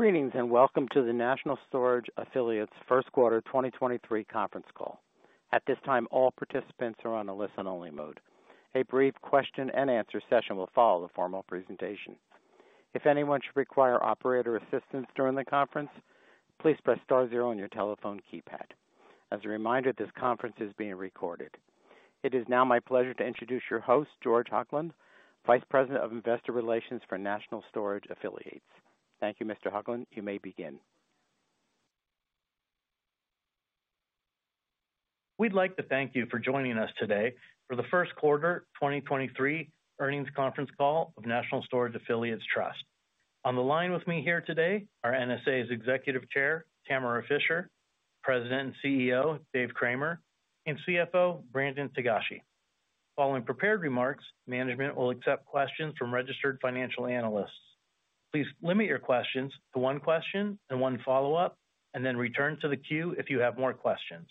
Greetings, welcome to the National Storage Affiliates Q1 2023 conference call. At this time, all participants are on a listen-only mode. A brief question-and-answer session will follow the formal presentation. If anyone should require operator assistance during the conference, please press star zero on your telephone keypad. As a reminder, this conference is being recorded. It is now my pleasure to introduce your host, George Hoglund, Vice President of Investor Relations for National Storage Affiliates. Thank you, Mr. Hoglund. You may begin. We'd like to thank you for joining us today for the Q1 2023 earnings conference call of National Storage Affiliates Trust. On the line with me here today are NSA's Executive Chair, Tamara Fischer, President and CEO, Dave Cramer, and CFO, Brandon Togashi. Following prepared remarks, management will accept questions from registered financial analysts. Please limit your questions to one question and one follow-up and then return to the queue if you have more questions.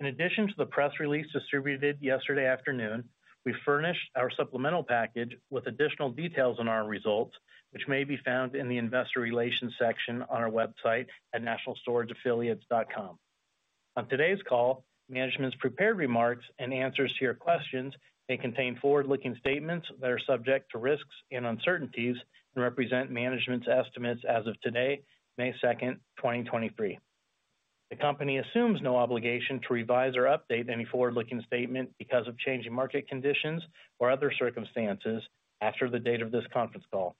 In addition to the press release distributed yesterday afternoon, we furnished our supplemental package with additional details on our results, which may be found in the investor relations section on our website at nationalstorageaffiliates.com. On today's call, management's prepared remarks and answers to your questions may contain forward-looking statements that are subject to risks and uncertainties and represent management's estimates as of today, May 2nd, 2023. The company assumes no obligation to revise or update any forward-looking statement because of changing market conditions or other circumstances after the date of this conference call.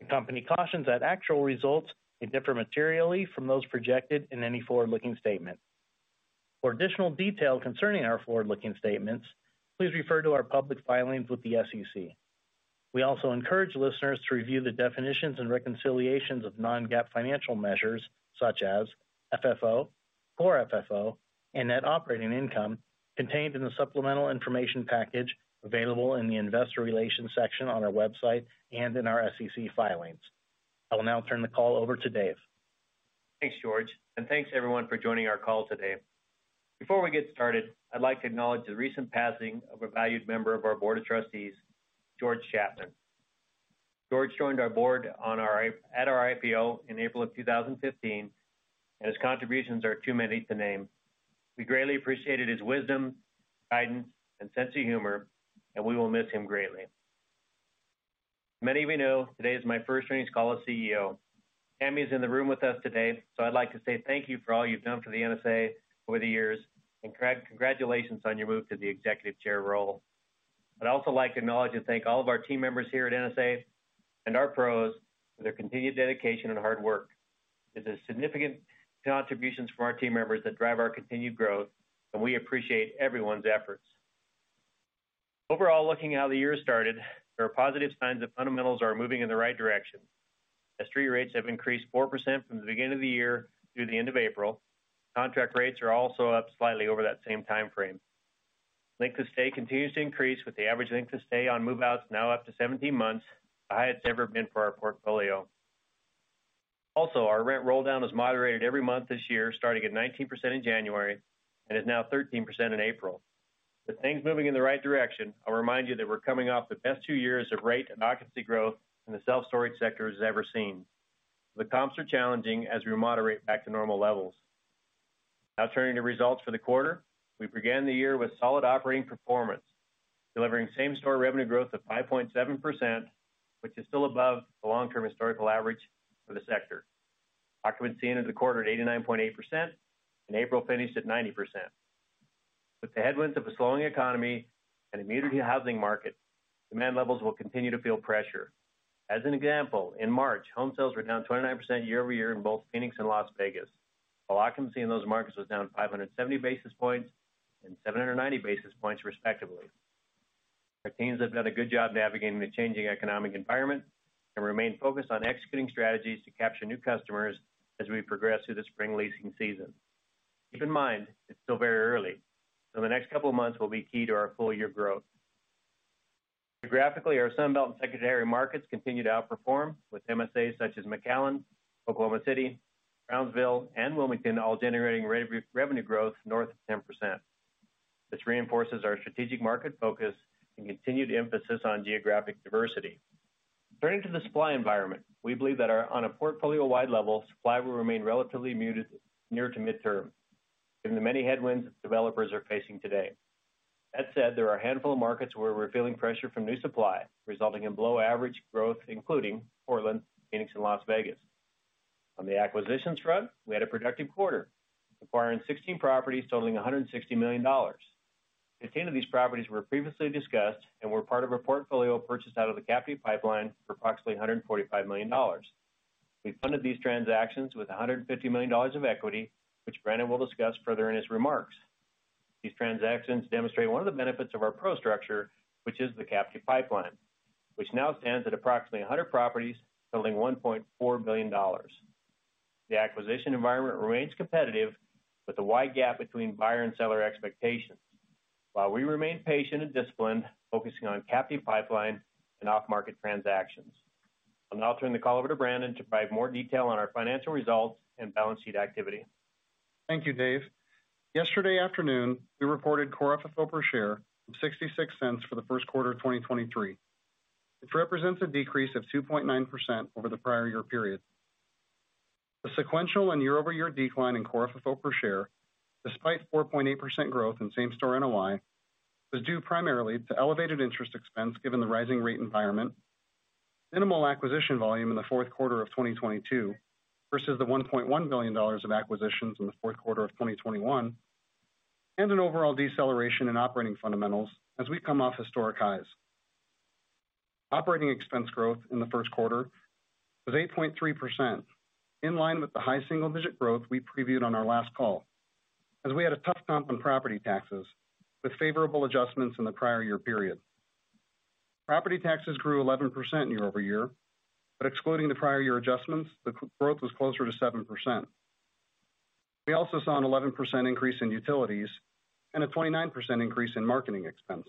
The company cautions that actual results may differ materially from those projected in any forward-looking statement. For additional detail concerning our forward-looking statements, please refer to our public filings with the SEC. We also encourage listeners to review the definitions and reconciliations of non-GAAP financial measures such as FFO, Core FFO, and net operating income contained in the supplemental information package available in the investor relations section on our website and in our SEC filings. I will now turn the call over to Dave. Thanks, George. Thanks everyone for joining our call today. Before we get started, I'd like to acknowledge the recent passing of a valued member of our Board of Trustees, George Chapman. George joined our Board at our IPO in April 2015. His contributions are too many to name. We greatly appreciated his wisdom, guidance, and sense of humor. We will miss him greatly. Many of you know today is my first earnings call as CEO. Tammy is in the room with us today. I'd like to say thank you for all you've done for NSA over the years, and congratulations on your move to the Executive Chair role. I'd also like to acknowledge and thank all of our team members here at NSA and our PROs for their continued dedication and hard work. It's a significant contributions from our team members that drive our continued growth, and we appreciate everyone's efforts. Overall, looking how the year started, there are positive signs that fundamentals are moving in the right direction. Street rates have increased 4% from the beginning of the year through the end of April. Contract rates are also up slightly over that same timeframe. Length to stay continues to increase, with the average length to stay on move-outs now up to 17 months, the highest it's ever been for our portfolio. Also, our rent roll-down has moderated every month this year, starting at 19% in January and is now 13% in April. With things moving in the right direction, I'll remind you that we're coming off the best two-years of rate and occupancy growth in the self-storage sector has ever seen. The comps are challenging as we moderate back to normal levels. Turning to results for the quarter. We began the year with solid operating performance, delivering same store revenue growth of 5.7%, which is still above the long-term historical average for the sector. Occupancy ended the quarter at 89.8% and April finished at 90%. With the headwinds of a slowing economy and a muted housing market, demand levels will continue to feel pressure. As an example, in March, home sales were down 29% year-over-year in both Phoenix and Las Vegas, while occupancy in those markets was down 570 basis points and 790 basis points, respectively. Our teams have done a good job navigating the changing economic environment and remain focused on executing strategies to capture new customers as we progress through the spring leasing season. Keep in mind, it's still very early. The next couple of months will be key to our full year growth. Geographically, our Sun Belt and secondary markets continue to outperform, with MSAs such as McAllen, Oklahoma City, Brownsville, and Wilmington all generating revenue growth north of 10%. This reinforces our strategic market focus and continued emphasis on geographic diversity. Turning to the supply environment, we believe that on a portfolio-wide level, supply will remain relatively muted near to midterm given the many headwinds that developers are facing today. That said, there are a handful of markets where we're feeling pressure from new supply, resulting in below-average growth, including Portland, Phoenix, and Las Vegas. On the acquisitions front, we had a productive quarter, acquiring 16 properties totaling $160 million. 15 of these properties were previously discussed and were part of a portfolio purchased out of the captive pipeline for approximately $145 million. We funded these transactions with $150 million of equity, which Brandon will discuss further in his remarks. These transactions demonstrate one of the benefits of our PRO structure, which is the captive pipeline, which now stands at approximately 100 properties totaling $1.4 billion. The acquisition environment remains competitive with a wide gap between buyer and seller expectations while we remain patient and disciplined, focusing on captive pipeline and off-market transactions. I'll now turn the call over to Brandon to provide more detail on our financial results and balance sheet activity. Thank you, Dave. Yesterday afternoon, we reported Core FFO per share of $0.66 for the Q1 of 2023. Which represents a decrease of 2.9% over the prior year period. The sequential and year-over-year decline in Core FFO per share, despite 4.8% growth in same store NOI, was due primarily to elevated interest expense given the rising rate environment, minimal acquisition volume in the Q4 of 2022 versus the $1.1 billion of acquisitions in the Q4 of 2021, and an overall deceleration in operating fundamentals as we come off historic highs. Operating expense growth in the Q1 was 8.3%, in line with the high single-digit growth we previewed on our last call, as we had a tough comp on property taxes with favorable adjustments in the prior year period. Property taxes grew 11% year-over-year, but excluding the prior year adjustments, the growth was closer to 7%. We also saw an 11% increase in utilities and a 29% increase in marketing expense.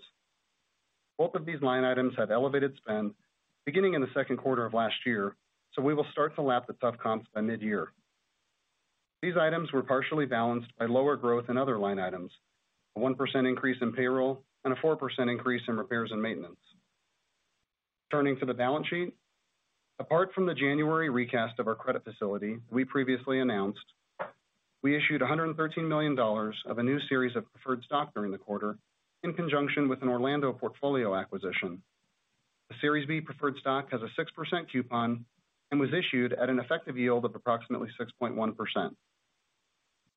Both of these line items had elevated spend beginning in the Q2 of last year, so we will start to lap the tough comps by mid-year. These items were partially balanced by lower growth in other line items, a 1% increase in payroll, and a 4% increase in repairs and maintenance. Turning to the balance sheet. Apart from the January recast of our credit facility we previously announced, we issued $113 million of a new series of preferred stock during the quarter in conjunction with an Orlando portfolio acquisition. The Series B preferred stock has a 6% coupon and was issued at an effective yield of approximately 6.1%.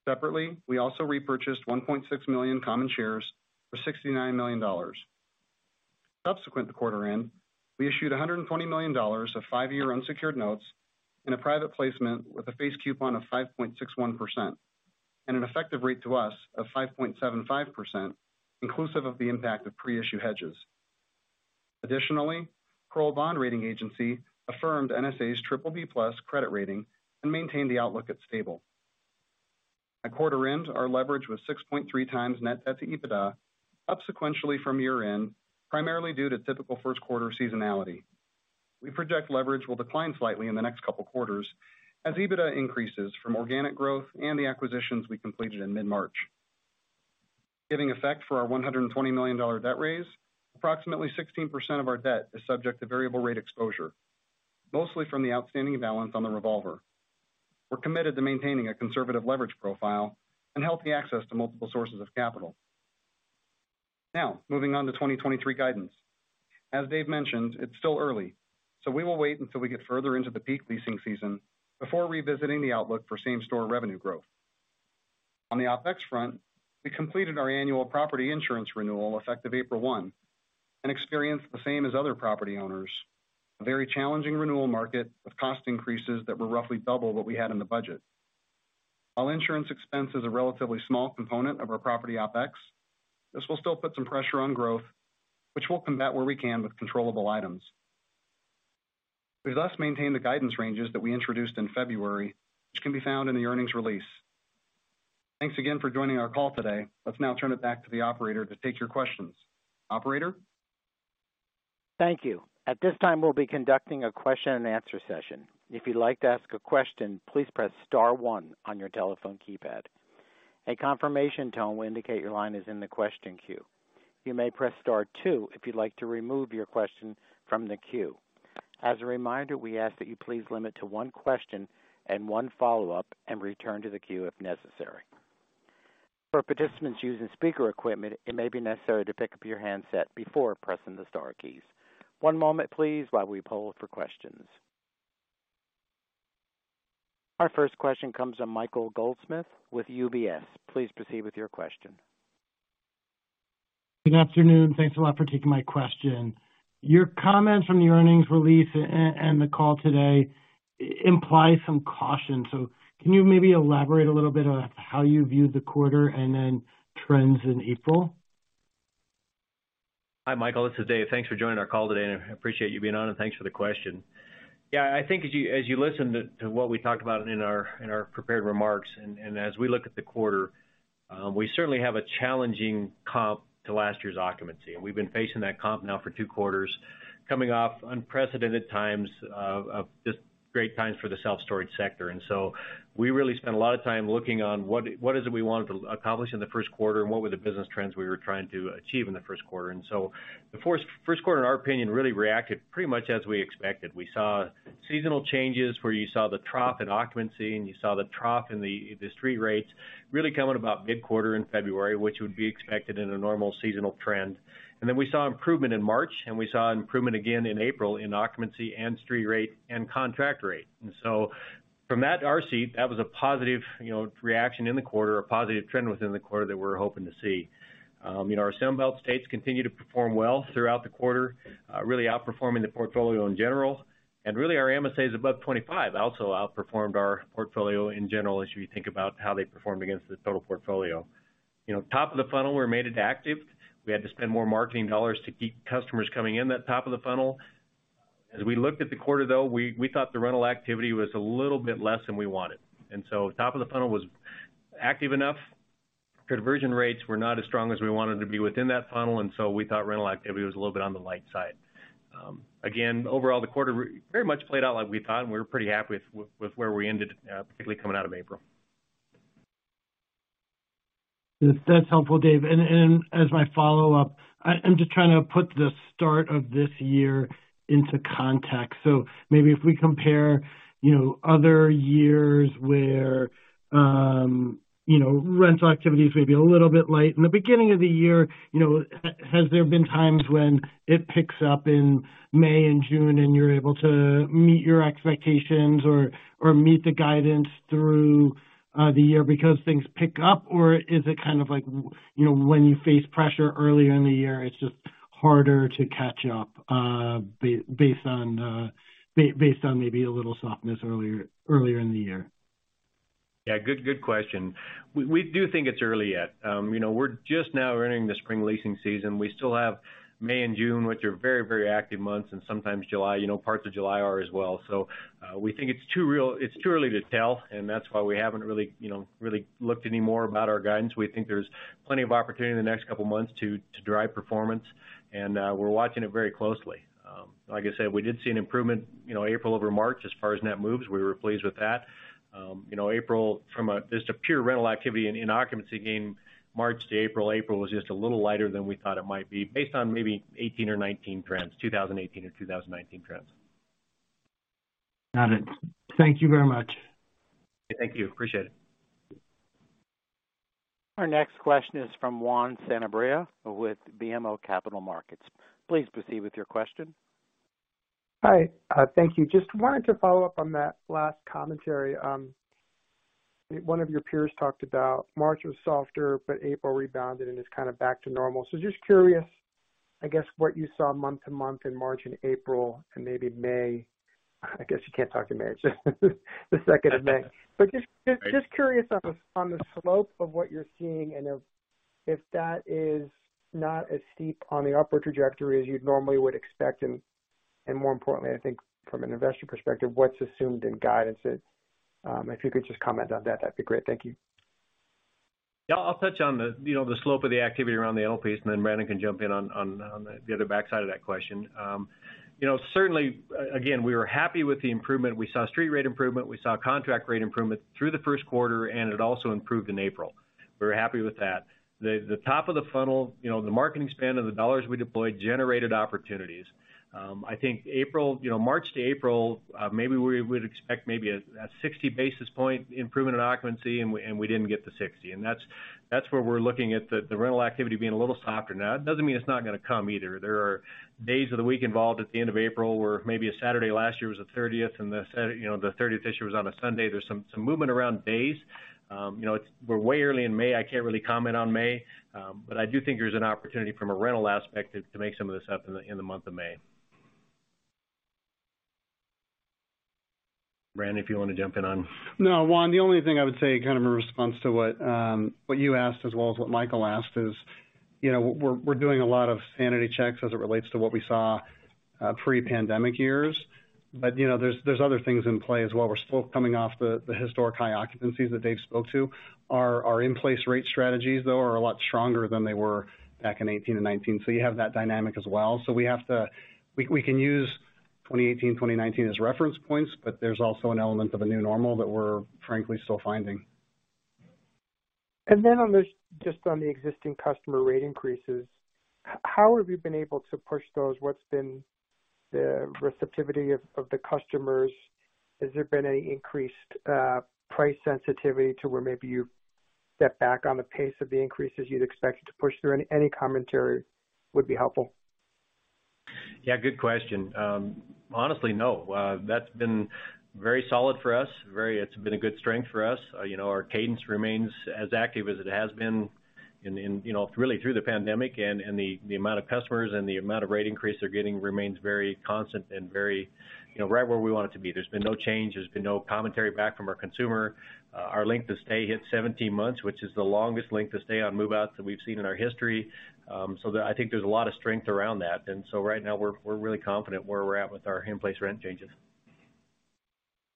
Separately, we also repurchased 1.6 million common shares for $69 million. Subsequent to quarter end, we issued $120 million of five-year unsecured notes in a private placement with a face coupon of 5.61% and an effective rate to us of 5.75%, inclusive of the impact of pre-issue hedges. Additionally, Kroll Bond Rating Agency affirmed NSA's BBB+ credit rating and maintained the outlook at stable. At quarter end, our leverage was 6.3 times net debt to EBITDA, up sequentially from year-end, primarily due to typical Q1 seasonality. We project leverage will decline slightly in the next couple quarters as EBITDA increases from organic growth and the acquisitions we completed in mid-March. Giving effect for our $120 million debt raise, approximately 16% of our debt is subject to variable rate exposure, mostly from the outstanding balance on the revolver. We're committed to maintaining a conservative leverage profile and healthy access to multiple sources of capital. Moving on to 2023 guidance. As Dave mentioned, it's still early, so we will wait until we get further into the peak leasing season before revisiting the outlook for same store revenue growth. On the OpEx front, we completed our annual property insurance renewal effective April 1 and experienced the same as other property owners, a very challenging renewal market with cost increases that were roughly double what we had in the budget. While insurance expense is a relatively small component of our property OpEx, this will still put some pressure on growth, which we'll combat where we can with controllable items. We thus maintain the guidance ranges that we introduced in February, which can be found in the earnings release. Thanks again for joining our call today. Let's now turn it back to the operator to take your questions. Operator? Thank you. At this time, we'll be conducting a question-and-answer session. If you'd like to ask a question, please press star one on your telephone keypad. A confirmation tone will indicate your line is in the question queue. You may press star two if you'd like to remove your question from the queue. As a reminder, we ask that you please limit to one question and one follow-up and return to the queue if necessary. For participants using speaker equipment, it may be necessary to pick up your handset before pressing the star keys. One moment please while we poll for questions. Our first question comes from Michael Goldsmith with UBS. Please proceed with your question. Good afternoon. Thanks a lot for taking my question. Your comments from the earnings release and the call today implies some caution. Can you maybe elaborate a little bit on how you viewed the quarter and then trends in April? Hi, Michael, this is Dave. Thanks for joining our call today. I appreciate you being on, and thanks for the question. Yeah, I think as you listened to what we talked about in our prepared remarks and as we look at the quarter, we certainly have a challenging comp to last year's occupancy, and we've been facing that comp now for two quarters coming off unprecedented times of just great times for the self-storage sector. We really spent a lot of time looking on what is it we wanted to accomplish in the Q1 and what were the business trends we were trying to achieve in the Q1. The Q1, in our opinion, really reacted pretty much as we expected. We saw seasonal changes where you saw the trough in occupancy and you saw the trough in the street rates really come in about mid-quarter in February, which would be expected in a normal seasonal trend. We saw improvement in March, and we saw improvement again in April in occupancy and street rate and contract rate. From that, our seat, that was a positive, you know, reaction in the quarter, a positive trend within the quarter that we're hoping to see. You know, our Sun Belt states continued to perform well throughout the quarter, really outperforming the portfolio in general. Our MSAs above 25 also outperformed our portfolio in general, as you think about how they performed against the total portfolio. You know, top of the funnel, we're made it active. We had to spend more marketing dollars to keep customers coming in that top of the funnel. As we looked at the quarter, though, we thought the rental activity was a little bit less than we wanted. Top of the funnel was active enough Conversion rates were not as strong as we wanted to be within that funnel, and so we thought rental activity was a little bit on the light side. Again, overall, the quarter very much played out like we thought, and we were pretty happy with where we ended, particularly coming out of April. That's helpful, Dave. As my follow-up, I'm just trying to put the start of this year into context. Maybe if we compare, you know, other years where, you know, rent activities may be a little bit light. In the beginning of the year, you know, has there been times when it picks up in May and June, and you're able to meet your expectations or meet the guidance through the year because things pick up? Is it kind of like, you know, when you face pressure earlier in the year, it's just harder to catch up based on maybe a little softness earlier in the year? Good, good question. We do think it's early yet. You know, we're just now entering the spring leasing season. We still have May and June, which are very, very active months, and sometimes July, you know, parts of July are as well. We think it's too early to tell, and that's why we haven't really, you know, looked any more about our guidance. We think there's plenty of opportunity in the next couple of months to drive performance, and we're watching it very closely. Like I said, we did see an improvement, you know, April over March as far as net moves. We were pleased with that. you know, April just a pure rental activity in occupancy gain, March to April was just a little lighter than we thought it might be based on maybe 2018 or 2019 trends, 2018 or 2019 trends. Got it. Thank you very much. Thank you. Appreciate it. Our next question is from Juan Sanabria with BMO Capital Markets. Please proceed with your question. Hi. Thank you. Just wanted to follow up on that last commentary. One of your peers talked about March was softer, but April rebounded, and it's kind of back to normal. Just curious, I guess, what you saw month to month in March and April and maybe May? I guess you can't talk to May. It's the second of May. Just curious on the slope of what you're seeing and if that is not as steep on the upward trajectory as you'd normally would expect? More importantly, I think from an investor perspective, what's assumed in guidance is, if you could just comment on that'd be great? Thank you. Yeah. I'll touch on the, you know, the slope of the activity around the LPs, Brandon can jump in on the other backside of that question. You know, certainly again, we were happy with the improvement. We saw street rate improvement, we saw contract rate improvement through the Q1, and It also improved in April. We're happy with that. The top of the funnel, you know, the marketing spend of the dollars we deployed generated opportunities. I think April. You know, March to April, maybe we would expect maybe a 60-basis point improvement in occupancy, We didn't get the 60. That's where we're looking at the rental activity being a little softer now. It doesn't mean it's not gonna come either. There are days of the week involved at the end of April, where maybe a Saturday last year was the thirtieth, and the thirtieth this year was on a Sunday. There's some movement around days. You know, we're way early in May. I can't really comment on May, but I do think there's an opportunity from a rental aspect to make some of this up in the month of May. Brandon, if you wanna jump in on... Juan, the only thing I would say, kind of in response to what you asked as well as what Michael asked is, you know, we're doing a lot of sanity checks as it relates to what we saw pre-pandemic years. You know, there's other things in play as well. We're still coming off the historic high occupancies that Dave spoke to. Our in-place rate strategies, though, are a lot stronger than they were back in 2018 and 2019. You have that dynamic as well. We can use 2018, 2019 as reference points, but there's also an element of a new normal that we're frankly still finding. On this, just on the existing customer rate increases, how have you been able to push those? What's been the receptivity of the customers? Has there been any increased price sensitivity to where maybe you step back on the pace of the increases you'd expected to push through? Any commentary would be helpful. Good question. Honestly, no. That's been very solid for us. It's been a good strength for us. You know, our cadence remains as active as it has been in, you know, really through the pandemic. The amount of customers and the amount of rate increase they're getting remains very constant and very, you know, right where we want it to be. There's been no change. There's been no commentary back from our consumer. Our length to stay hit 17 months, which is the longest length to stay on move-outs that we've seen in our history. I think there's a lot of strength around that. Right now we're really confident where we're at with our in-place rent changes.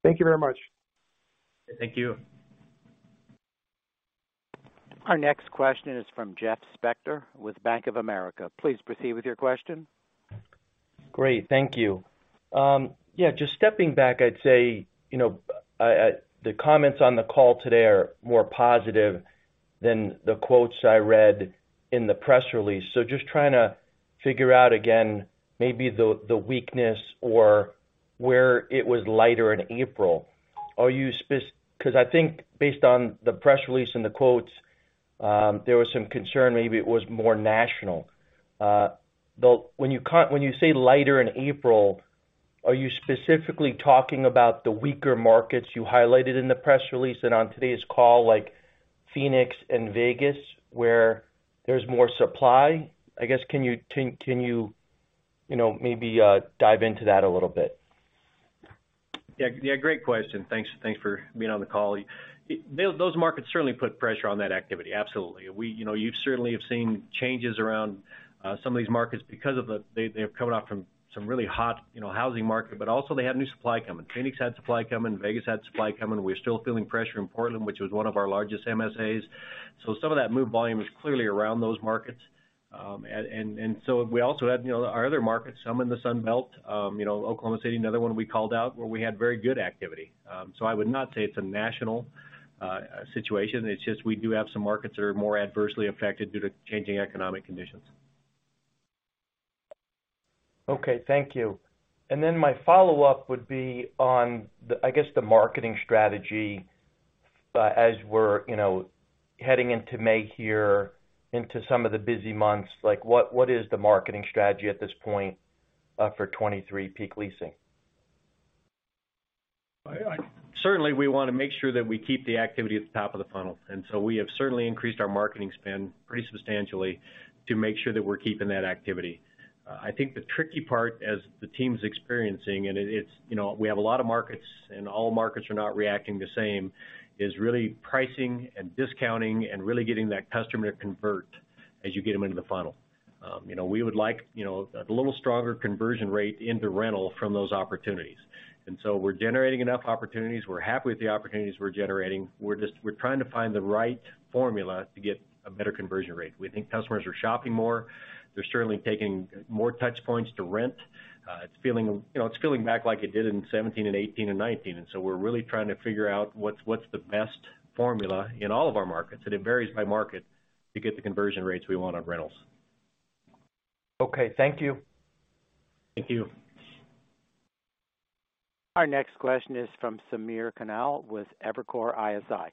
Thank you very much. Thank you. Our next question is from Jeff Spector with Bank of America. Please proceed with your question. Great. Thank you. Yeah, just stepping back, I'd say, you know, the comments on the call today are more positive than the quotes I read in the press release. Just trying to figure out again, maybe the weakness or where it was lighter in April. 'cause I think based on the press release and the quotes, there was some concern maybe it was more national. Though, when you say lighter in April, are you specifically talking about the weaker markets you highlighted in the press release and on today's call, like Phoenix and Vegas, where there's more supply? I guess, can you know, maybe, dive into that a little bit? Yeah, great question. Thanks, thanks for being on the call. Those markets certainly put pressure on that activity. Absolutely. You know, you certainly have seen changes around some of these markets because they're coming off from some really hot, you know, housing market, but also they have new supply coming. Phoenix had supply coming, Vegas had supply coming. We're still feeling pressure in Portland, which was one of our largest MSAs. Some of that move volume is clearly around those markets. We also had, you know, our other markets, some in the Sun Belt, you know, Oklahoma City, another one we called out where we had very good activity. I would not say it's a national situation. It's just we do have some markets that are more adversely affected due to changing economic conditions. Okay, thank you. My follow-up would be on the, I guess, the marketing strategy as we're, you know, heading into May here into some of the busy months. Like, what is the marketing strategy at this point, for 2023 peak leasing? Certainly, we wanna make sure that we keep the activity at the top of the funnel. We have certainly increased our marketing spend pretty substantially to make sure that we're keeping that activity. I think the tricky part as the team's experiencing, and it's, you know, we have a lot of markets and all markets are not reacting the same, is really pricing and discounting and really getting that customer to convert as you get them into the funnel. You know, we would like, you know, a little stronger conversion rate into rental from those opportunities. We're generating enough opportunities. We're happy with the opportunities we're generating. We're just we're trying to find the right formula to get a better conversion rate. We think customers are shopping more. They're certainly taking more touch points to rent. It's feeling, you know, it's feeling back like it did in 17 and 18 and 19. We're really trying to figure out what's the best formula in all of our markets, and it varies by market to get the conversion rates we want on rentals. Okay, thank you. Thank you. Our next question is from Samir Khanal with Evercore ISI.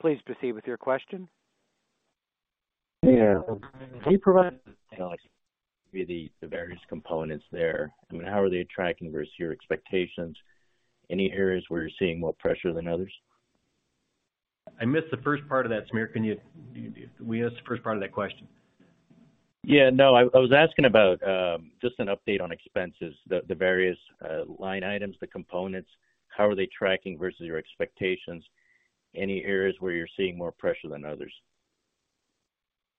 Please proceed with your question. Yeah. Can you provide the various components there? I mean, how are they tracking versus your expectations? Any areas where you're seeing more pressure than others? I missed the first part of that, Samir. will you ask the first part of that question? Yeah. No, I was asking about just an update on expenses, the various line items, the components, how are they tracking versus your expectations? Any areas where you're seeing more pressure than others?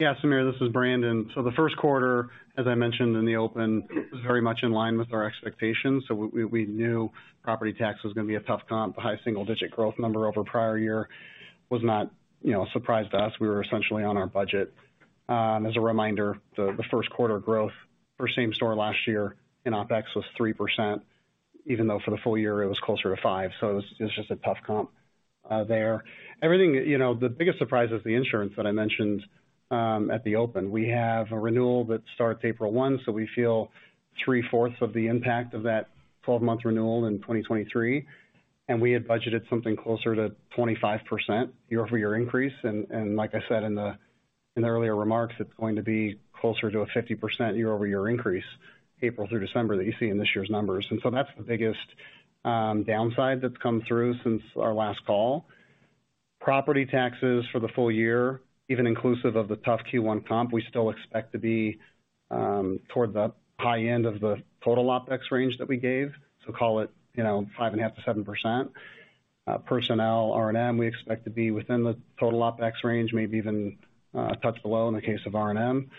Yeah. Samir, this is Brandon. The Q1, as I mentioned in the open, was very much in line with our expectations. We knew property tax was gonna be a tough comp. High single-digit growth number over prior year was not, you know, a surprise to us. We were essentially on our budget. As a reminder, the Q1 growth for same store last year in OpEx was 3%, even though for the full year it was closer to five. It's just a tough comp there. Everything, you know, the biggest surprise is the insurance that I mentioned at the open. We have a renewal that starts April 1, so we feel three-fourths of the impact of that 12-month renewal in 2023. We had budgeted something closer to 25% year-over-year increase. Like I said in the earlier remarks, it's going to be closer to a 50% year-over-year increase, April through December, that you see in this year's numbers. That's the biggest downside that's come through since our last call. Property taxes for the full year, even inclusive of the tough Q1 comp, we still expect to be toward the high end of the total OpEx range that we gave. Call it, you know, 5.5%-7%. Personnel, R&M, we expect to be within the total OpEx range, maybe even a touch below in the case of R&M.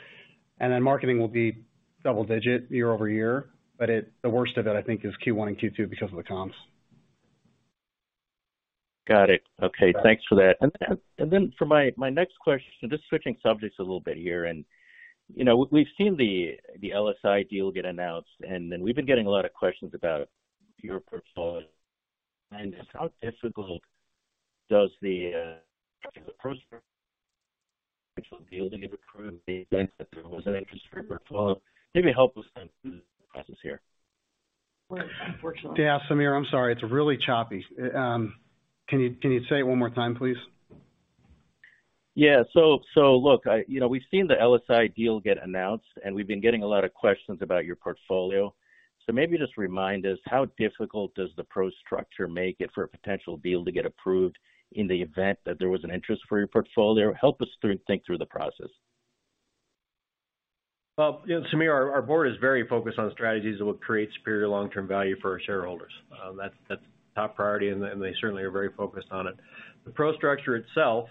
Marketing will be double-digit year-over-year. The worst of it, I think, is Q1 and Q2 because of the comps. Got it. Okay. Thanks for that. For my next question, just switching subjects a little bit here. You know, we've seen the LSI deal get announced, we've been getting a lot of questions about your portfolio. Just how difficult does the particular PRO structure deal to get approved in the event that there was an interest for your portfolio? Maybe help us think through the process here. Yeah, Samir, I'm sorry. It's really choppy. Can you say it one more time, please? Yeah. Look, I... You know, we've seen the LSI deal get announced, and we've been getting a lot of questions about your portfolio. Maybe just remind us how difficult does the PRO structure make it for a potential deal to get approved in the event that there was an interest for your portfolio? Help us think through the process. Well, you know, Samir, our board is very focused on strategies that will create superior long-term value for our shareholders. That's top priority, and they certainly are very focused on it. The PRO structure itself,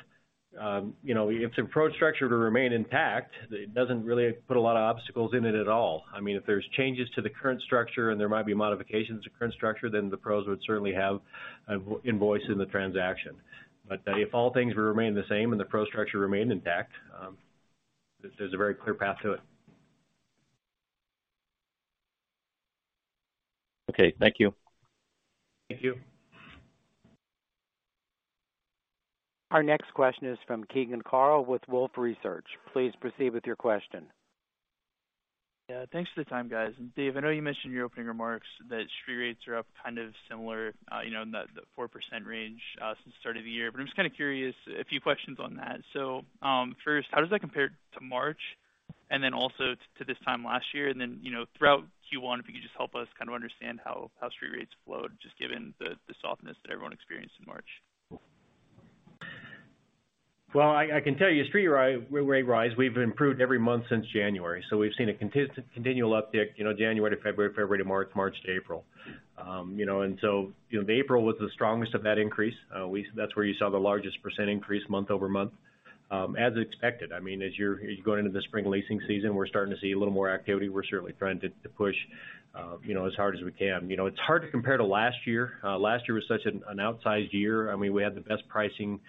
you know, if the PRO structure to remain intact, it doesn't really put a lot of obstacles in it at all. I mean, if there's changes to the current structure and there might be modifications to current structure, then the PROs would certainly have a voice in the transaction. If all things remain the same and the PRO structure remained intact, there's a very clear path to it. Okay. Thank you. Thank you. Our next question is from Keegan Carl with Wolfe Research. Please proceed with your question. Yeah, thanks for the time, guys. Dave, I know you mentioned in your opening remarks that street rates are up kind of similar, you know, in the 4% range since the start of the year. I'm just kinda curious, a few questions on that. First, how does that compare to March and then also to this time last year? You know, throughout Q1, if you could just help us kind of understand how street rates flowed, just given the softness that everyone experienced in March. Well, I can tell you street rate rise, we've improved every month since January. We've seen a continual uptick, you know, January to February to March to April. You know, the April was the strongest of that increase. That's where you saw the largest percent increase month-over-month as expected. I mean, as you're going into the spring leasing season, we're starting to see a little more activity. We're certainly trying to push, you know, as hard as we can. You know, it's hard to compare to last year. Last year was such an outsized year. I mean, we had the best pricing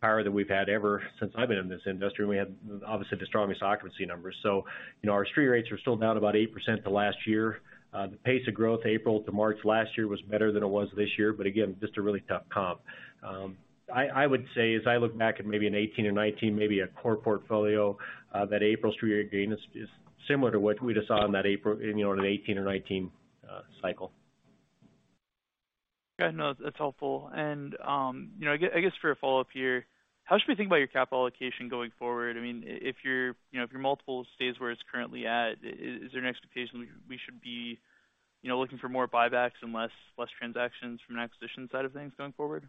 power that we've had ever since I've been in this industry. We had, obviously, the strongest occupancy numbers. You know, our street rates are still down about 8% to last year. The pace of growth, April to March last year was better than it was this year. Again, just a really tough comp. I would say, as I look back at maybe in 2018 and 2019, maybe at core portfolio, that April street rate gain is similar to what we just saw in that April, you know, in the 2018 and 2019 cycle. Yeah, no, that's helpful. You know, I guess for a follow-up here, how should we think about your capital allocation going forward? I mean, if your, you know, if your multiple stays where it's currently at, is there an expectation we should be, you know, looking for more buybacks and less transactions from an acquisition side of things going forward?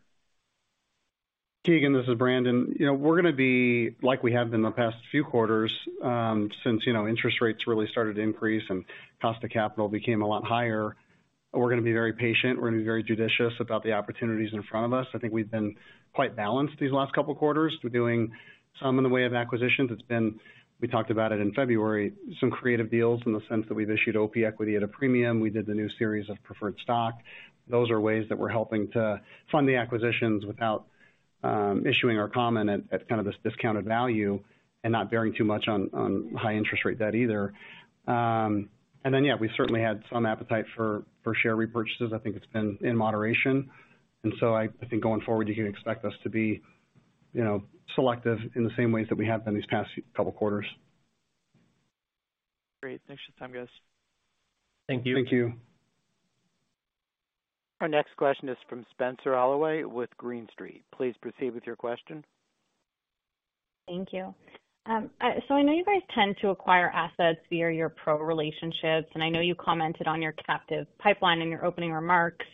Keegan, this is Brandon. You know, we're gonna be like we have been the past few quarters, since, you know, interest rates really started to increase and cost of capital became a lot higher. We're gonna be very patient. We're gonna be very judicious about the opportunities in front of us. I think we've been quite balanced these last couple quarters. We're doing some in the way of acquisitions. We talked about it in February, some creative deals in the sense that we've issued OP equity at a premium. We did the new series of preferred stock. Those are ways that we're helping to fund the acquisitions without issuing our common at kind of this discounted value and not bearing too much on high-interest rate debt either. Yeah, we certainly had some appetite for share repurchases. I think it's been in moderation. I think going forward, you can expect us to be, you know, selective in the same ways that we have been these past couple quarters. Great. Thanks for the time, guys. Thank you. Thank you. Our next question is from Spenser Allaway with Green Street. Please proceed with your question. Thank you. I know you guys tend to acquire assets via your PRO relationships, and I know you commented on your captive pipeline in your opening remarks.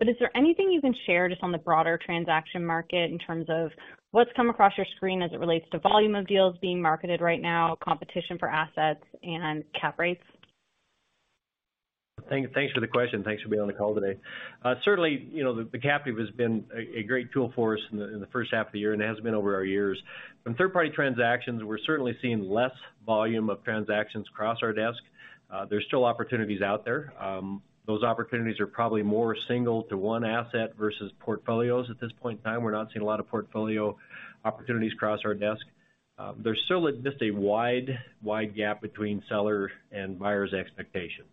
Is there anything you can share just on the broader transaction market in terms of what's come across your screen as it relates to volume of deals being marketed right now, competition for assets and cap rates? Thanks for the question. Thanks for being on the call today. Certainly, you know, the captive pipeline has been a great tool for us in the first half of the year, and it has been over our years. From third-party transactions, we're certainly seeing less volume of transactions cross our desk. There's still opportunities out there. Those opportunities are probably more single to one asset versus portfolios at this point in time. We're not seeing a lot of portfolio opportunities cross our desk. There's still just a wide gap between seller and buyer's expectation,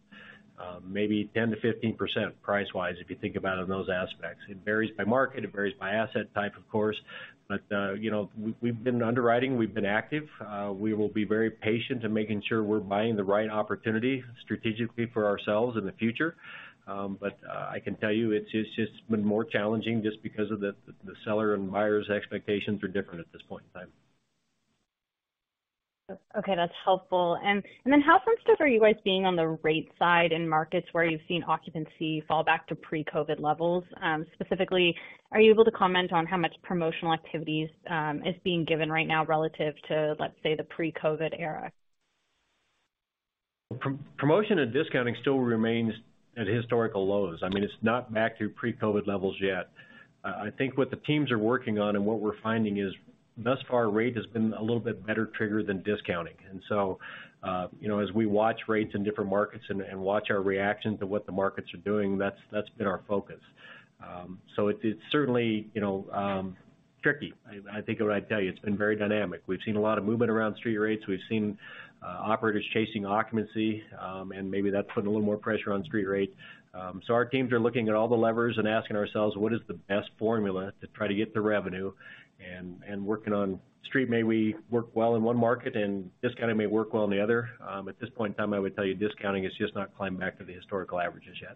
maybe 10%-15% price-wise, if you think about it in those aspects. It varies by market. It varies by asset type, of course. You know, we've been underwriting, we've been active. We will be very patient in making sure we're buying the right opportunity strategically for ourselves in the future. I can tell you, it's just been more challenging just because of the seller and buyer's expectations are different at this point in time. Okay, that's helpful. Then how front-loaded are you guys being on the rate side in markets where you've seen occupancy fall back to pre-COVID levels? Specifically, are you able to comment on how much promotional activities is being given right now relative to, let's say, the pre-COVID era? Pro-promotion and discounting still remains at historical lows. I mean, it's not back to pre-COVID levels yet. I think what the teams are working on and what we're finding is, thus far, rate has been a little bit better trigger than discounting. You know, as we watch rates in different markets and watch our reaction to what the markets are doing, that's been our focus. So it is certainly, you know, tricky. I think what I'd tell you, it's been very dynamic. We've seen a lot of movement around street rates. We've seen, operators chasing occupancy, and maybe that's putting a little more pressure on street rate. Our teams are looking at all the levers and asking ourselves, what is the best formula to try to get the revenue and working on street may we work well in one market and discounting may work well in the other. At this point in time, I would tell you discounting is just not climbing back to the historical averages yet.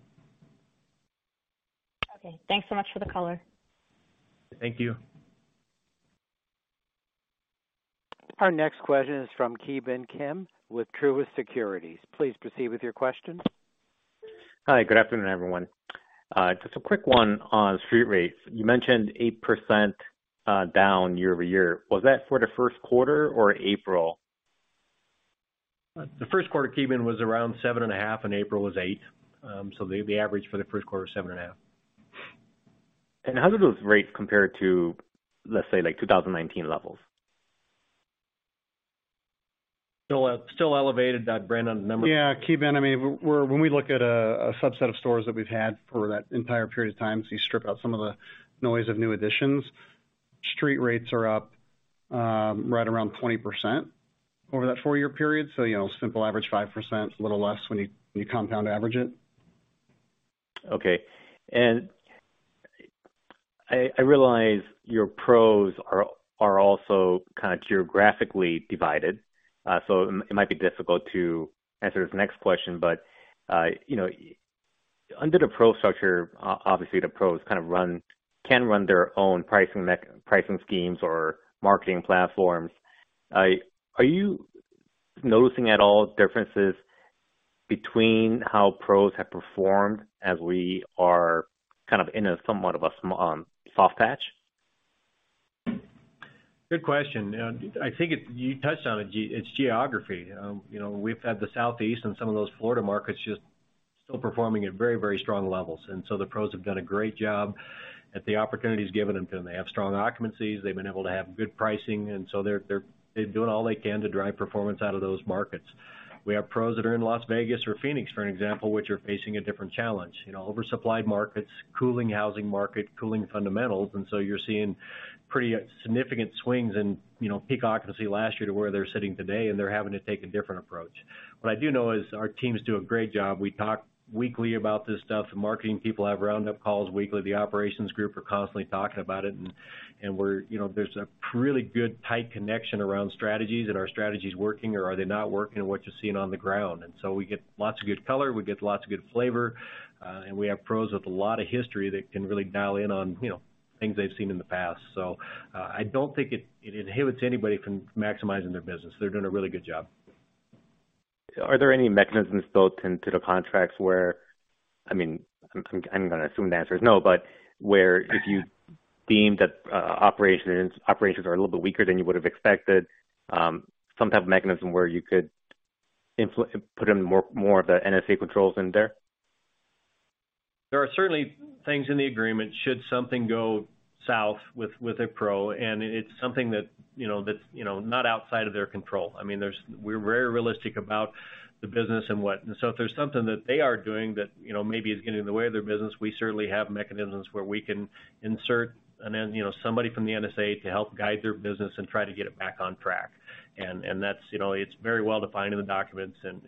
Okay. Thanks so much for the color. Thank you. Our next question is from Ki Bin Kim with Truist Securities. Please proceed with your question. Hi, good afternoon, everyone. Just a quick one on street rates. You mentioned 8%, down year-over-year. Was that for the Q1 or April? The Q1, Ki Bin, was around 7.5%, and April was 8%. The, the average for the Q1 is 7.5%. How do those rates compare to, let's say, like 2019 levels? Still elevated that, Brandon. Ki Bin, I mean, when we look at a subset of stores that we've had for that entire period of time, you strip out some of the noise of new additions, street rates are up, right around 20% over that four-year period. You know, simple average 5%, a little less when you compound average it. Okay. I realize your PROs are also kind of geographically divided. It might be difficult to answer this next question. You know, under the PRO structure, obviously, the PROs kind of can run their own pricing schemes or marketing platforms. Are you noticing at all differences between how PROs have performed as we are kind of in a somewhat of a soft patch? Good question. You know, I think you touched on it, Ki. It's geography. You know, we've had the Southeast and some of those Florida markets just still performing at very, very strong levels. The PROs have done a great job at the opportunities given unto them. They have strong occupancies. They've been able to have good pricing, They're doing all they can to drive performance out of those markets. We have PROs that are in Las Vegas or Phoenix, for an example, which are facing a different challenge. You know, oversupplied markets, cooling housing market, cooling fundamentals, You're seeing pretty significant swings in, you know, peak occupancy last year to where they're sitting today, and they're having to take a different approach. What I do know is our teams do a great job. We talk weekly about this stuff. The marketing people have roundup calls weekly. The operations group are constantly talking about it, and we're, you know, there's a really good tight connection around strategies and are strategies working or are they not working and what you're seeing on the ground. We get lots of good color, we get lots of good flavor, and we have PROs with a lot of history that can really dial in on, you know, things they've seen in the past. I don't think it inhibits anybody from maximizing their business. They're doing a really good job. Are there any mechanisms built into the contracts where... I mean, I'm gonna assume the answer is no, but where if you deem that operations are a little bit weaker than you would have expected, some type of mechanism where you could put in more of the NSA controls in there? There are certainly things in the agreement should something go south with a PRO, and it's something that, you know, that's, you know, not outside of their control. I mean, we're very realistic about the business and what. If there's something that they are doing that, you know, maybe is getting in the way of their business, we certainly have mechanisms where we can insert somebody from the NSA to help guide their business and try to get it back on track. That's, you know, it's very well defined in the documents and,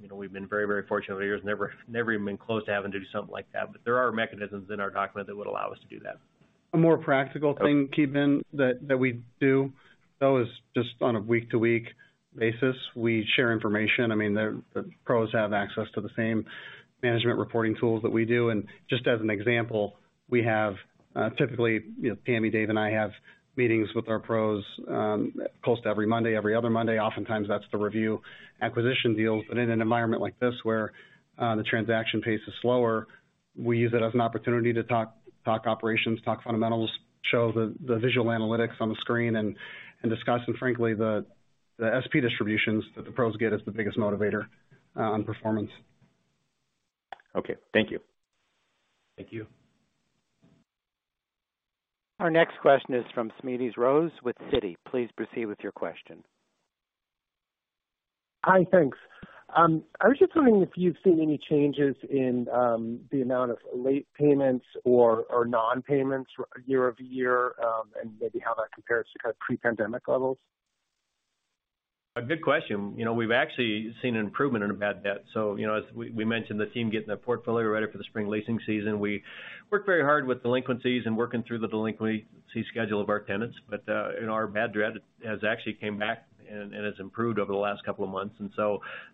you know, we've been very, very fortunate over the years. Never even been close to having to do something like that. There are mechanisms in our document that would allow us to do that. A more practical thing, Ki Bin, that we do, though, is just on a week-to-week basis, we share information. I mean, the PROs have access to the same management reporting tools that we do. Just as an example, we have, typically, you know, Tammy, Dave, and I have meetings with our PROs, close to every Monday, every other Monday. Oftentimes, that's to review acquisition deals. In an environment like this where the transaction pace is slower, we use it as an opportunity to talk operations, talk fundamentals, show the visual analytics on the screen and discuss and frankly, the SP distributions that the PROs get is the biggest motivator, on performance. Okay. Thank you. Thank you. Our next question is from Smedes Rose with Citi. Please proceed with your question. Hi, thanks. I was just wondering if you've seen any changes in the amount of late payments or non-payments year-over-year, and maybe how that compares to kind of pre-pandemic levels? A good question. You know, we've actually seen an improvement in bad debt. You know, as we mentioned, the team getting the portfolio ready for the spring leasing season. We worked very hard with delinquencies and working through the delinquency schedule of our tenants. Our bad debt has actually came back and has improved over the last two months.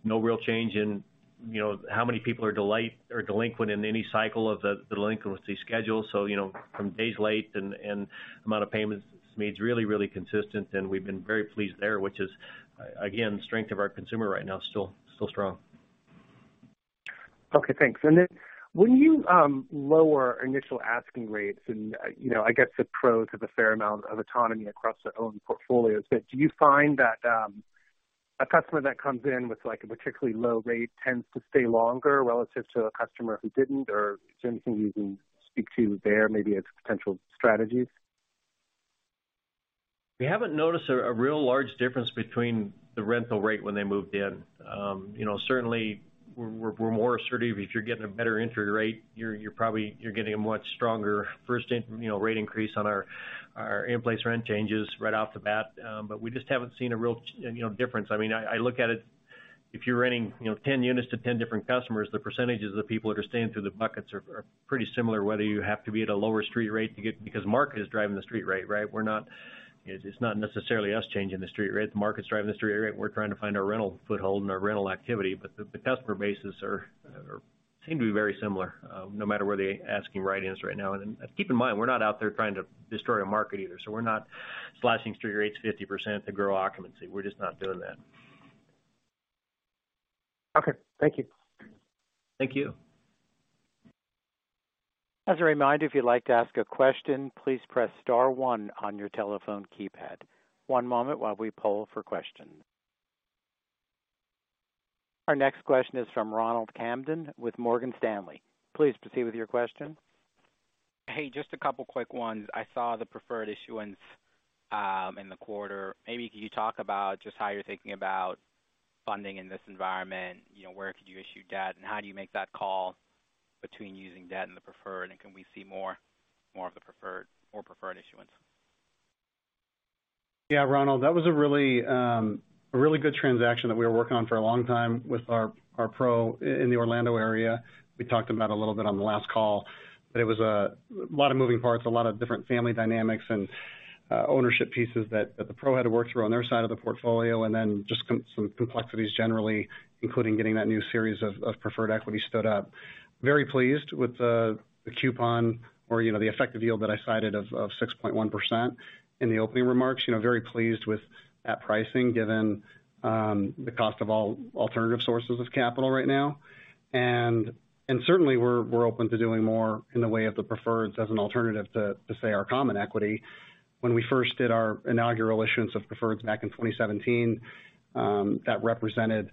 No real change in, you know, how many people are delinquent in any cycle of the delinquency schedule. You know, from days late and amount of payments made is really consistent, and we've been very pleased there, which is, again, strength of our consumer right now, still strong. Okay, thanks. When you lower initial asking rates and, you know, I guess the PROs have a fair amount of autonomy across their own portfolios, but do you find that a customer that comes in with, like, a particularly low rate tends to stay longer relative to a customer who didn't? Is there anything you can speak to there maybe as potential strategies? We haven't noticed a real large difference between the rental rate when they moved in. You know, certainly we're more assertive. If you're getting a better entry rate, you're probably getting a much stronger first in, you know, rate increase on our in-place rent changes right off the bat. We just haven't seen a real, you know, difference. I mean, I look at it, if you're renting, you know, 10 units to 10 different customers, the percentages of people that are staying through the buckets are pretty similar, whether you have to be at a lower street rate to get... Market is driving the street rate, right? We're not... It's not necessarily us changing the street rate. The market's driving the street rate. We're trying to find our rental foothold and our rental activity. The customer bases are seem to be very similar, no matter where the asking rate is right now. Keep in mind, we're not out there trying to destroy a market either, so we're not slashing street rates 50% to grow occupancy. We're just not doing that. Okay. Thank you. Thank you. As a reminder, if you'd like to ask a question, please press star one on your telephone keypad. One moment while we poll for questions. Our next question is from Ronald Kamdem with Morgan Stanley. Please proceed with your question. Hey, just a couple quick ones. I saw the preferred issuance in the quarter. Maybe can you talk about just how you're thinking about funding in this environment? You know, where could you issue debt, and how do you make that call between using debt and the preferred, and can we see more of the preferred or preferred issuance? Ronald, that was a really, a really good transaction that we were working on for a long time with our PRO in the Orlando area. We talked about a little bit on the last call, but it was a lot of moving parts, a lot of different family dynamics and ownership pieces that the PRO had to work through on their side of the portfolio, and then just some complexities generally, including getting that new series of preferred equity stood up. Very pleased with the coupon or, you know, the effective yield that I cited of 6.1% in the opening remarks. You know, very pleased with At pricing, given the cost of all alternative sources of capital right now. Certainly we're open to doing more in the way of the preferreds as an alternative to say our common equity. When we first did our inaugural issuance of preferreds back in 2017, that represented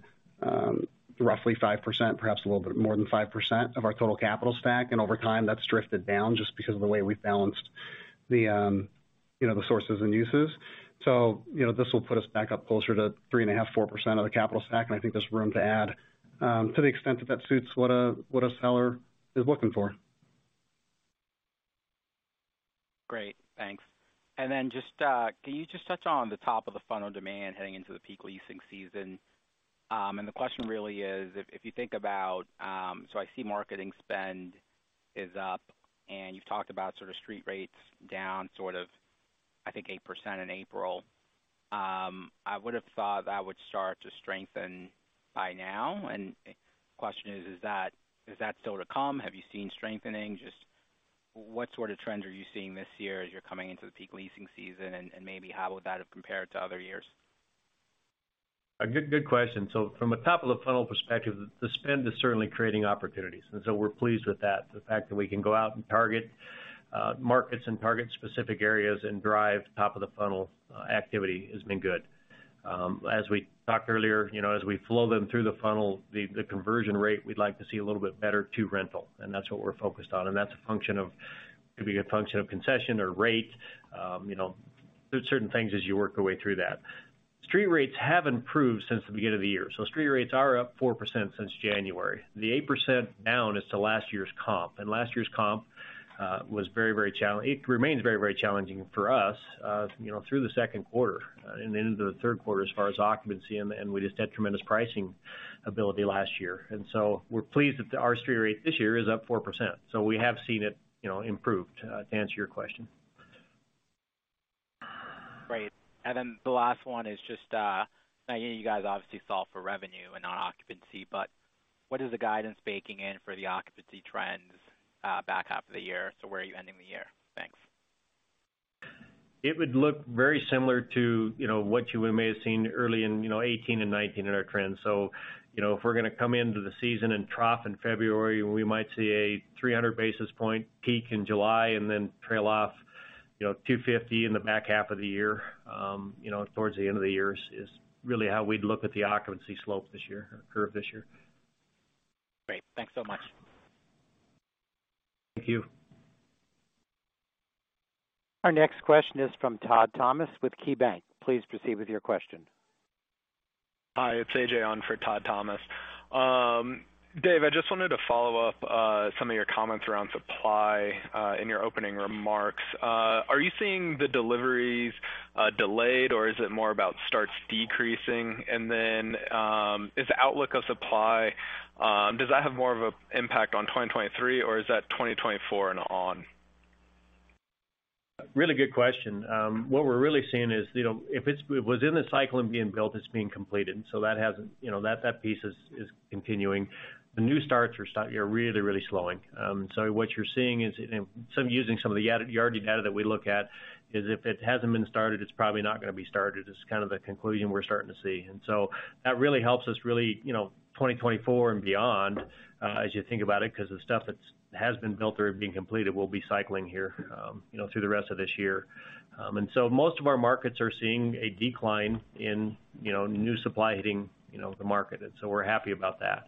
roughly 5%, perhaps a little bit more than 5% of our total capital stack, and over time, that's drifted down just because of the way we balanced the, you know, the sources and uses. You know, this will put us back up closer to 3.5%-4% of the capital stack, and I think there's room to add to the extent that that suits what a seller is looking for. Great. Thanks. Then just, can you just touch on the top of the funnel demand heading into the peak leasing season? The question really is if you think about... I see marketing spend is up, and you've talked about sort of street rates down sort of, I think, 8% in April. I would have thought that would start to strengthen by now. The question is that still to come? Have you seen strengthening? Just what sort of trends are you seeing this year as you're coming into the peak leasing season, and maybe how would that have compared to other years? A good question. From a top of the funnel perspective, the spend is certainly creating opportunities. We're pleased with that. The fact that we can go out and target markets and target specific areas and drive top of the funnel activity has been good. As we talked earlier, you know, as we flow them through the funnel, the conversion rate, we'd like to see a little bit better to rental, and that's what we're focused on. That's a function of... could be a function of concession or rate. You know, there's certain things as you work your way through that. Street rates have improved since the beginning of the year. Street rates are up 4% since January. The 8% down is to last year's comp, and last year's comp, it remains very, very challenging for us, you know, through the Q2 and into the Q3 as far as occupancy, and we just had tremendous pricing ability last year. We're pleased that our street rate this year is up 4%. We have seen it, you know, improved to answer your question. Great. The last one is just, I know you guys obviously solve for revenue and not occupancy, but what is the guidance baking in for the occupancy trends, back half of the year? Where are you ending the year? Thanks. It would look very similar to, you know, what you may have seen early in, you know, 2018 and 2019 in our trends. You know, if we're gonna come into the season and trough in February, we might see a 300 basis point peak in July and then trail off, you know, 250 in the back half of the year. You know, towards the end of the year is really how we'd look at the occupancy curve this year. Great. Thanks so much. Thank you. Our next question is from Todd Thomas with KeyBanc. Please proceed with your question. Hi, it's AJ on for Todd Thomas. Dave, I just wanted to follow up some of your comments around supply in your opening remarks. Are you seeing the deliveries delayed, or is it more about starts decreasing? Then, is the outlook of supply does that have more of a impact on 2023, or is that 2024 and on? Really good question. What we're really seeing is, you know, if it was in the cycle and being built, it's being completed, so that hasn't, you know, that piece is continuing. The new starts are really slowing. What you're seeing is, using some of the Yardi data that we look at is if it hasn't been started, it's probably not gonna be started. It's kind of the conclusion we're starting to see. That really helps us really, you know, 2024 and beyond, as you think about it, 'cause the stuff that's has been built or being completed will be cycling here, you know, through the rest of this year. Most of our markets are seeing a decline in, you know, new supply hitting, you know, the market. We're happy about that.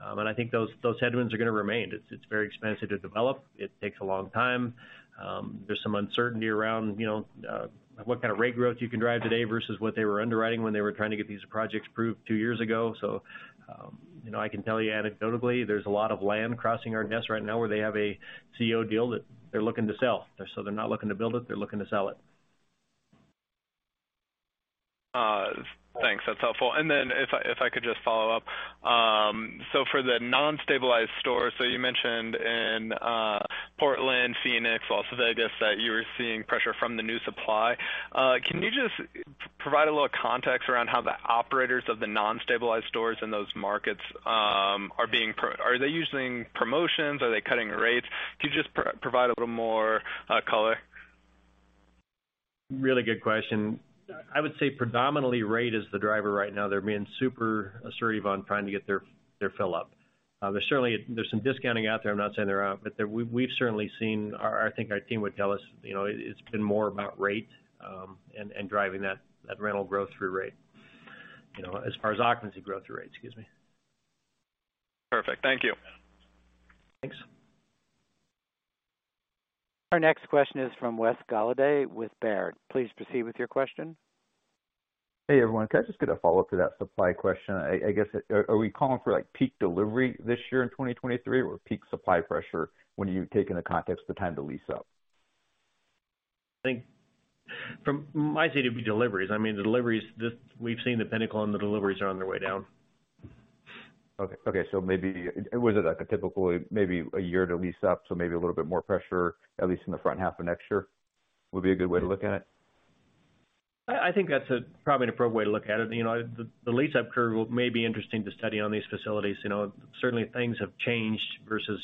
I think those headwinds are gonna remain. It's, it's very expensive to develop. It takes a long time. There's some uncertainty around, you know, what kind of rate growth you can drive today versus what they were underwriting when they were trying to get these projects approved two years ago. You know, I can tell you anecdotally, there's a lot of land crossing our desk right now where they have a C/O deal that they're looking to sell. They're not looking to build it, they're looking to sell it. Thanks. That's helpful. If I, if I could just follow up. For the non-stabilized stores, you mentioned in Portland, Phoenix, Las Vegas, that you were seeing pressure from the new supply. Can you just provide a little context around how the operators of the non-stabilized stores in those markets are being? Are they using promotions? Are they cutting rates? Can you just provide a little more color? Really good question. I would say predominantly rate is the driver right now. They're being super assertive on trying to get their fill up. There's some discounting out there. I'm not saying there aren't, but we've certainly seen... I think our team would tell us, you know, it-it's been more about rate, and driving that rental growth through rate. You know, as far as occupancy growth through rate, excuse me. Perfect. Thank you. Thanks. Our next question is from Wes Golladay with Baird. Please proceed with your question. Hey, everyone. Can I just get a follow-up to that supply question? I guess, are we calling for, like, peak delivery this year in 2023 or peak supply pressure when you take into context the time to lease up? I think might say it'd be deliveries. I mean, the deliveries, We've seen the pinnacle, and the deliveries are on their way down. Okay. Okay. Was it like a typical one year to lease up, so maybe a little bit more pressure, at least in the front half of next year, would be a good way to look at it? I think that's probably an appropriate way to look at it. You know, the lease-up curve may be interesting to study on these facilities. You know, certainly things have changed versus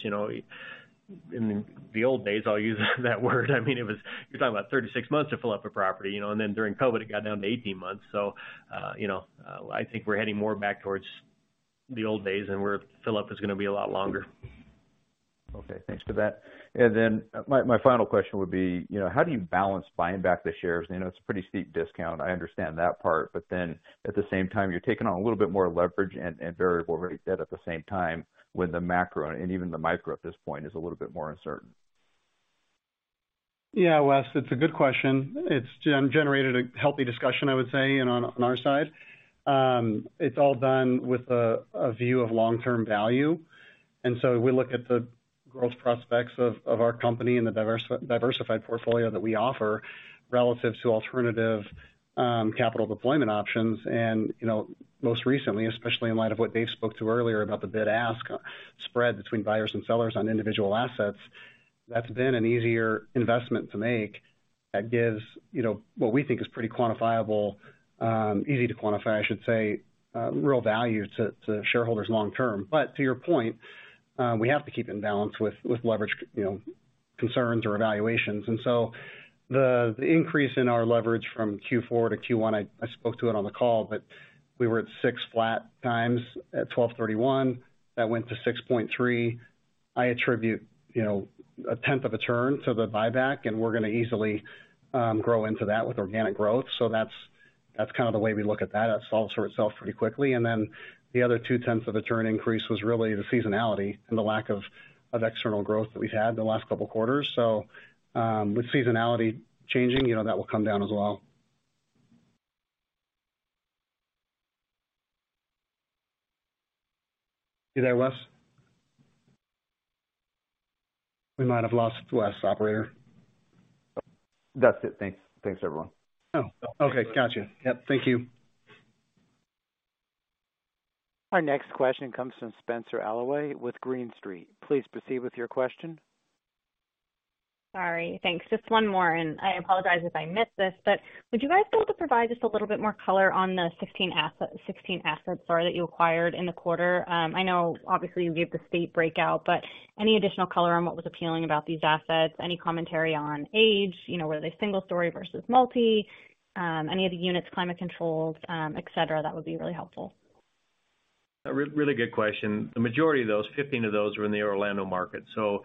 in the old days, I'll use that word. I mean, it was. You're talking about 36 months to fill up a property, you know, and then during COVID, it got down to 18 months. You know, I think we're heading more back towards the old days and where fill-up is gonna be a lot longer. Okay. Thanks for that. My, my final question would be, you know, how do you balance buying back the shares? I know it's a pretty steep discount. I understand that part. At the same time, you're taking on a little bit more leverage and variable rate debt at the same time with the macro and even the micro at this point is a little bit more uncertain. Yeah, Wes, it's a good question. It's generated a healthy discussion, I would say, you know, on our side. It's all done with a view of long-term value. We look at the growth prospects of our company and the diversified portfolio that we offer relative to alternative capital deployment options. You know, most recently, especially in light of what Dave spoke to earlier about the bid-ask spread between buyers and sellers on individual assets, that's been an easier investment to make that gives, you know, what we think is pretty quantifiable, easy to quantify, I should say, real value to shareholders long term. To your point, we have to keep in balance with leverage, you know, concerns or evaluations. The increase in our leverage from Q4 to Q1, I spoke to it on the call, but we were at 6.0x at 12/31. That went to 6.3x. I attribute, you know, 0.1 of a turn to the buyback, and we're gonna easily grow into that with organic growth. That's kind of the way we look at that. That solves for itself pretty quickly. The other 0.2 of a turn increase was really the seasonality and the lack of external growth that we've had the last couple quarters. With seasonality changing, you know, that will come down as well. You there, Wes? We might have lost Wes, operator. That's it. Thanks. Thanks, everyone. Oh, okay. Gotcha. Yep. Thank you. Our next question comes from Spenser Allaway with Green Street. Please proceed with your question. Sorry. Thanks. Just one more, and I apologize if I missed this, would you guys be able to provide just a little bit more color on the 16 assets, sorry, that you acquired in the quarter? I know obviously you gave the state breakout, any additional color on what was appealing about these assets? Any commentary on age, you know, were they single story versus multi, any of the units climate controlled, et cetera, that would be really helpful? A really good question. The majority of those, 15 of those were in the Orlando market. The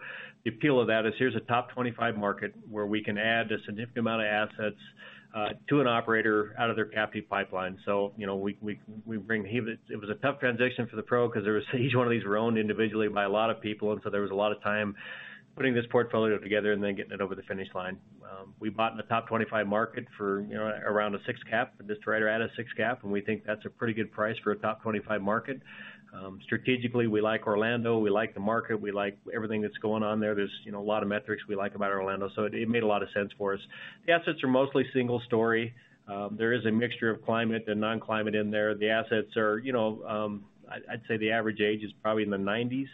appeal of that is here's a top 25 market where we can add a significant amount of assets to an operator out of their captive pipeline. you know, we bring. It was a tough transition for the PRO because there was. Each one of these were owned individually by a lot of people, and so there was a lot of time putting this portfolio together and then getting it over the finish line. We bought in the top 25 market for, you know, around a six cap, just right around a six cap, and we think that's a pretty good price for a top 25 market. Strategically, we like Orlando, we like the market, we like everything that's going on there. There's, you know, a lot of metrics we like about Orlando, so it made a lot of sense for us. The assets are mostly single story. There is a mixture of climate and non-climate in there. The assets are, you know, I'd say the average age is probably in the 90s.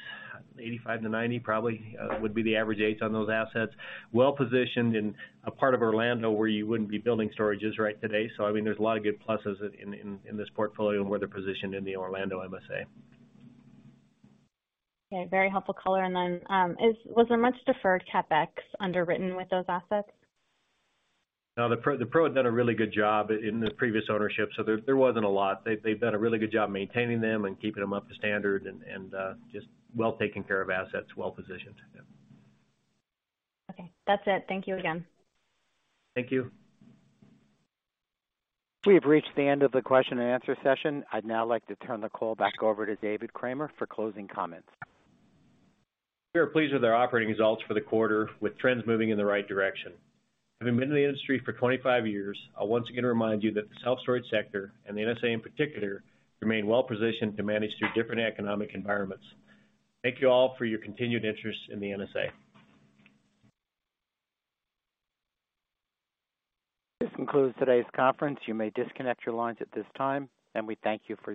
85 to 90 probably would be the average age on those assets. Well-positioned in a part of Orlando where you wouldn't be building storages right today. I mean, there's a lot of good pluses in this portfolio and where they're positioned in the Orlando MSA. Okay. Very helpful color. Was there much deferred CapEx underwritten with those assets? No. The PRO had done a really good job in the previous ownership, so there wasn't a lot. They've done a really good job maintaining them and keeping them up to standard and just well taken care of assets, well-positioned. Yeah. Okay. That's it. Thank you again. Thank you. We have reached the end of the question-and-answer session. I'd now like to turn the call back over to David Cramer for closing comments. We are pleased with our operating results for the quarter, with trends moving in the right direction. Having been in the industry for 25 years, I'll once again remind you that the self-storage sector, and the NSA in particular, remain well positioned to manage through different economic environments. Thank you all for your continued interest in the NSA. This concludes today's conference. You may disconnect your lines at this time, and we thank you for your participation.